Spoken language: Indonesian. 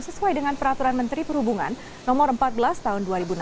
sesuai dengan peraturan menteri perhubungan no empat belas tahun dua ribu enam belas